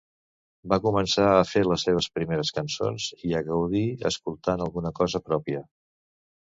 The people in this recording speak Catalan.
Va començar a fer les seves primeres cançons i a gaudir escoltat alguna cosa pròpia.